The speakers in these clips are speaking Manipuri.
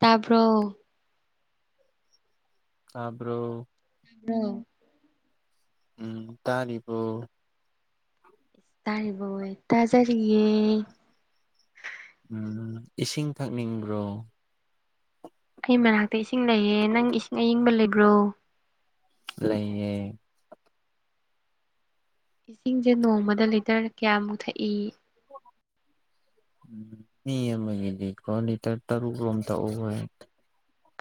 ꯇꯥꯕ꯭ꯔꯣ ꯇꯥꯕ꯭ꯔꯣ ꯎꯝ ꯎꯝ ꯇꯥꯔꯤꯕꯣ ꯇꯥꯔꯤꯕꯣꯏ ꯇꯥꯖꯔꯤꯌꯦ ꯎꯝ ꯏꯁꯤꯡ ꯊꯛꯅꯤꯡꯕ꯭ꯔꯣ ꯑꯩ ꯃꯅꯥꯛꯇ ꯏꯁꯤꯡ ꯂꯩꯌꯦ ꯅꯪ ꯏꯁꯤꯡ ꯑꯌꯤꯡꯕ ꯂꯩꯕ꯭ꯔꯣ ꯂꯩꯌꯦ ꯏꯁꯤꯡꯁꯦ ꯅꯣꯡꯃꯗ ꯂꯤꯇꯔ ꯀꯌꯥꯃꯨꯛ ꯊꯛꯏ ꯃꯤ ꯑꯃꯒꯤꯗꯤꯀꯣ ꯂꯤꯇꯔ ꯇꯔꯨꯛꯔꯣꯝ ꯊꯛꯎ ꯍꯥꯏ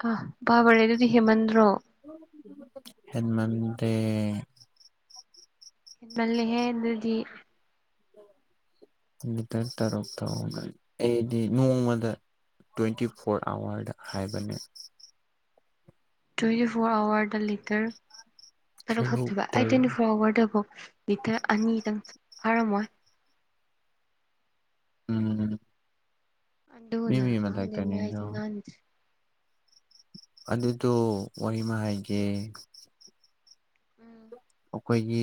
ꯑꯥ ꯍꯦꯟꯃꯟꯗꯦ ꯇꯜꯂꯤꯍꯦ ꯑꯗꯨꯗꯤ ꯂꯤꯇꯔ ꯇꯔꯨꯛ ꯊꯛꯎ ꯑꯩꯗꯤ ꯅꯣꯡꯃꯗ ꯇ꯭ꯋꯦꯟꯇꯤ ꯐꯣꯔ ꯑꯋꯥꯔꯗ ꯍꯥꯏꯕꯅꯦ ꯇ꯭ꯋꯦꯟꯇꯤ ꯐꯣꯔ ꯑꯋꯥꯔꯗ ꯂꯤꯇꯔ ꯇꯔꯨꯛ ꯊꯛꯇꯣꯏꯕ ꯑꯩꯗꯤ ꯇ꯭ꯋꯦꯟꯇꯤ ꯐꯣꯔ ꯑꯋꯥꯔꯗ ꯐꯥꯎ ꯂꯤꯇꯔ ꯑꯅꯤꯗꯪ ꯐꯥꯔꯝꯃꯣꯏ ꯎꯝ ꯃꯤ ꯃꯤ ꯑꯗꯨꯅꯔ ꯈꯪꯗꯦ ꯃꯊꯛꯇꯅꯤꯗꯣ ꯃꯥꯏꯖꯦ ꯅꯥꯟꯗ꯭ꯔꯤ ꯑꯗꯨꯗꯣ ꯋꯥꯔꯤꯃ ꯍꯥꯏꯒꯦ ꯎꯝ ꯑꯩꯈꯣꯏꯒꯤ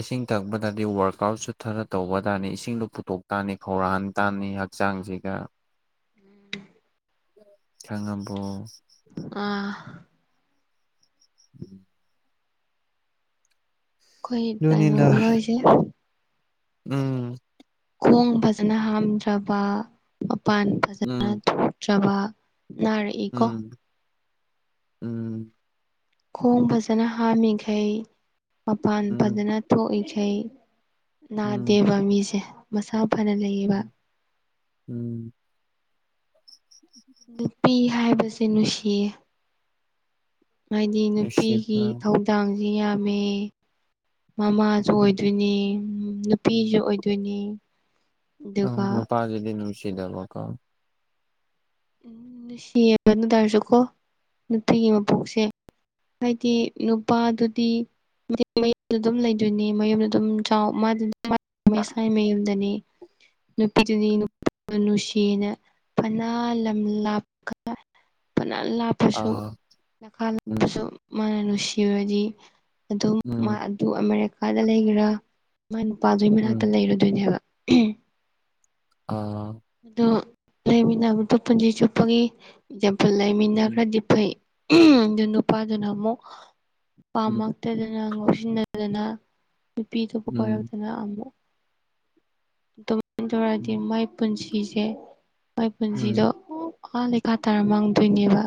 ꯏꯁꯤꯡ ꯊꯛꯄ ꯇꯥꯗꯤ ꯋꯥꯔꯛ ꯑꯥꯎꯠꯁꯨ ꯈꯔ ꯇꯧꯕ ꯇꯥꯝꯅꯤ ꯏꯁꯤꯡꯗꯣ ꯄꯨꯇꯣꯛ ꯇꯥꯝꯅꯤ ꯈꯧꯔꯥꯡꯍꯟ ꯇꯥꯝꯅꯤ ꯍꯛꯆꯥꯡꯁꯤꯒ ꯎꯝ ꯈꯪꯉꯥꯕꯣ ꯑꯥ [inaudible] ꯑꯩꯈꯣꯏ ꯇꯥꯏꯕꯪ ꯑꯗꯨꯅꯤꯗ ꯃꯤꯑꯣꯏꯁꯦ ꯎꯝ ꯈꯣꯡ ꯐꯖꯅ ꯍꯥꯝꯗ꯭ꯔꯕ ꯃꯄꯥꯟ ꯐꯖꯅ ꯎꯝ ꯊꯣꯛꯇ꯭ꯔꯕ ꯅꯔꯛꯏꯀꫭ ꯎꯝ ꯎꯝ ꯈꯣꯡ ꯐꯖꯅ ꯍꯥꯝꯃꯤꯈꯩ ꯃꯄꯥꯟ ꯎꯝ ꯎꯝ ꯐꯖꯅ ꯊꯣꯛꯏꯈꯩ ꯑꯩꯩ ꯅꯥꯗꯦꯕ ꯃꯤꯁꯦ ꯃꯁꯥ ꯐꯅ ꯂꯩꯌꯦꯕ ꯝ ꯎꯝ ꯅꯨꯄꯤ ꯍꯥꯏꯕꯁꯦ ꯅꯨꯡꯁꯤꯌꯦ ꯍꯥꯏꯗꯤ ꯅꯨꯄꯤꯒꯤ ꯅꯨꯡꯁꯤꯕ ꯊꯧꯗꯥꯡꯁꯤ ꯌꯥꯝꯃꯦ ꯃꯃꯥꯁꯨ ꯎꯝ ꯑꯣꯏꯗꯣꯏꯅꯤ ꯅꯨꯄꯤꯁꯨ ꯑꯣꯏꯗꯣꯏꯅꯤ ꯑ ꯑꯗꯨꯒ ꯅꯨꯄꯥꯁꯤꯗꯤ ꯅꯨꯡꯁꯤꯗꯕꯀꯣ ꯎꯝ ꯅꯨꯡꯁꯤꯕ ꯑꯗꯨ ꯇꯔꯁꯨꯀꯣ ꯅꯨꯡꯇꯤꯒꯤ ꯃꯄꯣꯛꯁꯦ ꯍꯥꯏꯗꯤ ꯅꯨꯄꯥꯗꯨꯗꯤ ꯃꯌꯨꯝꯗ ꯑꯗꯨꯝ ꯂꯩꯗꯣꯏꯅꯤ ꯃꯌꯨꯝꯗ ꯑꯗꯨꯝ ꯆꯥꯎ ꯃꯥꯗꯤ ꯁꯥꯏ ꯃꯌꯨꯝꯗꯅꯤ ꯅꯨꯄꯤꯗꯨꯅꯤ ꯅꯨꯡꯁꯤꯅ ꯐꯅ ꯂꯝ ꯂꯥꯞꯄꯒ ꯂꯥꯞꯄꯁꯨ ꯑꯥ ꯅꯅꯥꯥ ꯎꯝ ꯂꯥꯞꯄꯁꯨ ꯃꯥꯅ ꯅꯨꯡꯁꯤꯔꯗꯤ ꯑ ꯎꯝ ꯑꯗꯨ ꯑꯃꯦꯔꯤꯀꯥꯗ ꯂꯩꯒꯦꯔꯥ ꯃꯥ ꯅꯨꯄꯥꯗꯨꯒꯤ ꯃꯅꯥꯛꯇ ꯎꯝ ꯂꯩꯔꯗꯣꯏꯅꯦꯕ ꯍ ꯑꯣ ꯑꯗꯨ ꯂꯩꯃꯤꯟꯅꯕꯗ ꯄꯨꯟꯁꯤ ꯆꯨꯞꯄꯒ ꯄꯨ ꯎꯝ ꯂꯩꯃꯤꯟꯅꯈ꯭ꯔꯗꯤ ꯐꯩ ꯑꯗꯨ ꯅꯨꯄꯥꯗꯨꯅ ꯑꯃꯨꯛ ꯎꯝ ꯄꯥꯝꯃꯛꯇꯗꯅ ꯑꯉꯥꯡ ꯉ ꯂꯧꯁꯤꯟꯅꯗꯅ ꯅꯨꯄꯤꯇꯕꯨ ꯎꯝ ꯄꯔꯛꯇꯅ ꯑꯃꯨꯛ ꯇꯧꯔꯗꯤ ꯎꯝ ꯃꯥꯏ ꯄꯨꯟꯁꯤꯁꯦ ꯃꯣꯏ ꯄꯨꯟꯁꯤꯗꯣ ꯎꯝ ꯑꯥ ꯂꯩꯈꯥ ꯇꯥꯔ ꯃꯥꯡꯗꯣꯏꯅꯦꯕ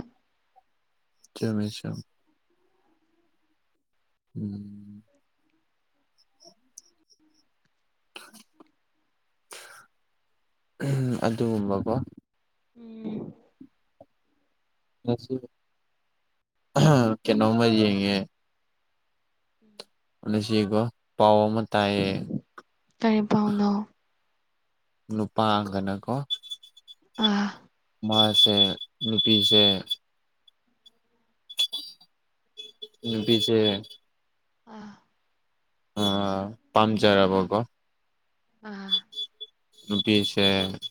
ꯆꯃꯦꯃꯦꯁꯝ ꯎꯝ ꯑꯗꯨꯒꯨꯝꯕꯀꯣ ꯎꯝ ꯀ ꯅꯣꯡꯃꯗꯤꯉꯦ ꯎꯝ ꯑꯗꯨꯁꯤꯒꯣ ꯄꯥꯎ ꯑꯃ ꯇꯥꯏꯌꯦ ꯀꯔꯤꯄꯥꯎꯅꯣ ꯅꯨꯄꯥꯒꯅꯀꯣ ꯑ ꯃꯥꯁꯦ ꯅꯨꯄꯤꯁꯦ ꯅꯨꯄꯤꯁꯦ ꯑ ꯑꯥ ꯄꯥꯝꯖꯔꯕꯀꯣ ꯑ ꯅꯨꯄꯤꯁꯦ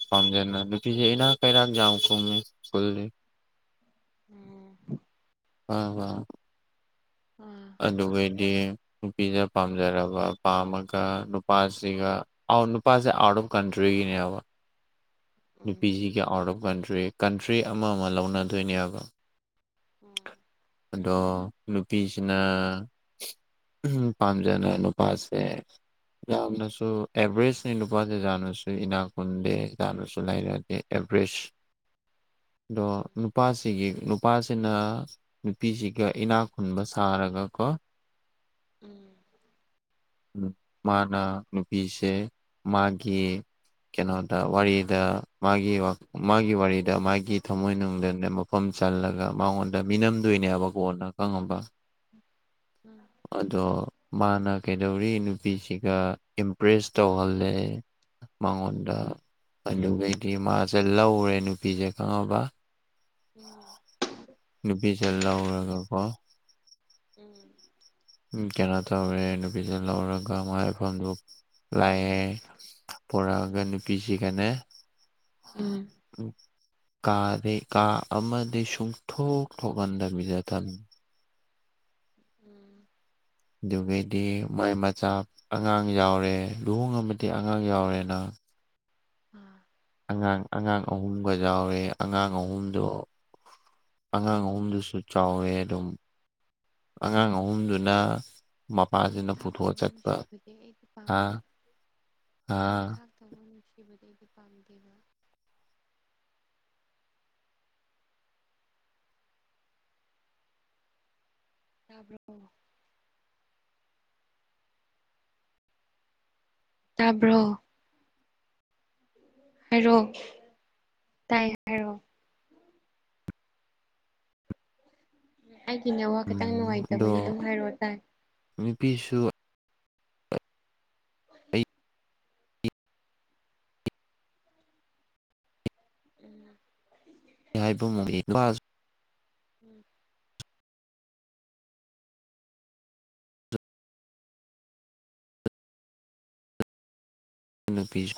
ꯄꯥꯝꯖꯅ ꯅꯨꯄꯤꯁꯦ ꯏꯅꯥꯛ ꯀꯩꯔꯥꯛ ꯌꯥꯎ ꯀꯨꯝꯃꯤ ꯁ꯭ꯀꯨꯜꯜꯂꯤ ꯎꯝ ꯑ ꯋꯥ ꯑꯥ ꯑꯗꯨꯩꯗꯤ ꯅꯨꯄꯤꯗ ꯄꯥꯝꯖꯔꯕ ꯄꯥꯝꯃꯒ ꯅꯨꯄꯥꯁꯤꯒ ꯑ ꯅꯨꯄꯥꯥꯁꯦ ꯑꯥꯎꯠ ꯑꯣꯐ ꯀꯟꯇ꯭ꯔꯤꯒꯤꯅꯦ ꯍꯥꯏꯕ ꯎꯝ ꯅꯨꯄꯤꯁꯤꯒꯤ ꯑꯥꯎꯠ ꯑꯣꯐ ꯀꯟꯇ꯭ꯔꯤ ꯀꯟꯇ꯭ꯔꯤ ꯑꯃ ꯑꯃ ꯂꯧꯅꯗꯣꯏꯅꯦꯕ ꯎꯝ ꯑꯗꯣ ꯅꯨꯄꯤꯁꯤꯅ ꯎ ꯄꯥꯝꯖꯅ ꯅꯨꯄꯥꯁꯦ ꯌꯥꯝꯅꯁꯨ ꯑꯦꯚꯔꯦꯖꯅꯤ ꯅꯨꯄꯥꯁꯦꯖꯥꯠꯅꯁꯨ ꯏꯅꯥꯛ ꯈꯨꯟꯗꯦ ꯌꯥꯥꯅꯁꯨ ꯂꯩꯥꯏꯔꯗꯤꯦ ꯐ꯭ꯔꯦꯁ [unintelligible] ꯗꯣ ꯅꯨꯄꯥꯁꯤꯒꯤ ꯅꯨꯄꯥ ꯅ ꯅꯨꯄꯤꯁꯤꯒ ꯏꯅꯥꯛ ꯈꯨꯟꯕ ꯁꯥꯔꯒꯀꯣ ꯎꯝ ꯃꯥꯅ ꯅꯨꯄꯤꯁꯦ ꯃꯥꯒꯤ ꯀꯩꯅꯣꯗ ꯋꯥꯔꯤꯗ ꯃꯥꯒꯤ ꯃꯥꯒꯤ ꯋꯥꯔꯤꯗ ꯃꯥꯒꯤ ꯊꯝꯃꯣꯏꯅꯨꯡꯗꯅꯦ ꯃꯐꯝ ꯆꯜꯂꯒ ꯃꯉꯣꯟꯗ ꯃꯤꯅꯝꯗꯣꯏꯅꯦꯕ ꯀꯣꯟꯅ ꯈꯪꯉꯕ ꯑꯗꯣ ꯃꯥꯅ ꯀꯩꯗꯧꯔꯤ ꯅꯨꯄꯤꯁꯤꯒ ꯏꯝꯄ꯭ꯔꯦꯁ ꯇꯧꯍꯜꯂꯦ ꯃꯉꯣꯟꯗ ꯑꯗꯨꯒꯩꯗꯤ ꯃꯥꯁꯦ ꯂꯧꯔꯦ ꯅꯨꯄꯤꯁꯦ ꯈꯪꯉꯕ ꯎꯝ ꯅꯨꯄꯤꯁꯦ ꯂꯧꯔꯒꯀꯣ ꯎꯝ ꯀꯩꯅꯣ ꯇꯧꯔꯦ ꯅꯨꯄꯤꯁꯦ ꯂꯧꯔꯒ ꯃꯥꯏꯐꯝꯗꯨ ꯂꯥꯛꯑꯦ ꯄꯔꯛꯑꯒ ꯅꯨꯄꯤꯁꯤꯒꯅ ꯎꯝ ꯀꯥꯗꯤ ꯀꯥ ꯑꯃꯗꯤ ꯁꯨꯡꯊꯣꯛ ꯊꯣꯛꯍꯟꯗꯕꯤꯗ ꯊꯝꯃꯦ ꯎꯝ ꯑꯗꯨꯒꯩꯗꯤ ꯃꯥꯏ ꯃꯆꯥ ꯑꯉꯥꯡ ꯌꯥꯎꯔꯦ ꯂꯨꯍꯣꯡꯉꯕꯗꯤ ꯑꯉꯥꯡ ꯌꯥꯎꯔꯦꯅ ꯑꯝ ꯑꯉꯥꯡ ꯑꯉꯥꯡ ꯑꯍꯨꯝꯒ ꯌꯥꯎꯔꯦ ꯑꯉꯥꯡ ꯑꯍꯨꯝꯗꯣ ꯑꯉꯥꯡ ꯑꯍꯨꯝꯗꯨꯁꯨ ꯆꯥꯎꯋꯦ ꯑꯗꯨꯝ ꯑꯉꯥꯡ ꯑꯍꯨꯝꯗꯨꯅ ꯃꯄꯥꯁꯤꯅ ꯅꯝꯊꯥꯛ ꯄꯨꯊꯣꯛꯑ ꯇꯧꯕ ꯆꯠꯄ ꯅꯨꯡꯁꯤꯕꯗꯤ ꯑꯩꯗꯤ ꯍꯥ ꯄꯥꯝꯗꯦ ꯍꯥ ꯅꯝꯊꯥꯛ ꯇꯧꯕ ꯃꯤ ꯅꯨꯡꯁꯤꯕꯗꯤ ꯑꯩꯗꯤ ꯄꯥꯝꯗꯦꯕ ꯇꯥꯕ꯭ꯔꯣ ꯇꯥꯕ꯭ꯔꯣ ꯍꯥꯏꯔꯣ ꯇꯥꯏ ꯍꯥꯏꯔꯣ ꯑꯩꯒꯤ ꯅꯦꯠꯋꯥꯛ ꯈꯤꯇꯪ ꯎꯝ ꯅꯨꯡꯉꯥꯏꯇꯕꯒꯤ ꯑꯗꯨꯝ ꯍꯥꯏꯔꯛꯑꯣ ꯇꯥꯏ ꯄꯤꯁꯨ [unintelligible] ꯎꯝ [unintelligible] ꯎꯝ ꯅꯨꯄꯤꯁꯨ